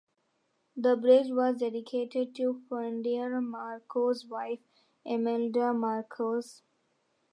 The bridge was dedicated to Ferdinand Marcos' wife, Imelda Marcos.